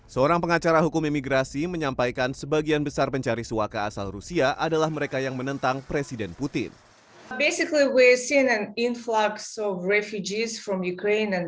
seorang pengacara hukum imigrasi menyampaikan sebagian besar pencari suaka asal rusia adalah mereka yang menentang presiden putin